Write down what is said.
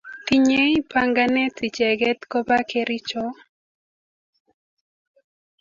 Tinye panganet icheket kopa Kericho